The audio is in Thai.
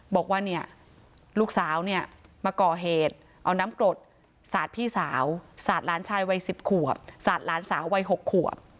บอกว่าเนี่ยลูกสาวเนี่ยมาก่อเหตุเอาน้ำกรดสาดพี่สาวสาดหลานชายวัย๑๐ขวบสาดหลานสาววัย๖ขวบ